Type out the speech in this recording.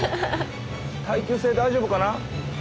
耐久性大丈夫かな？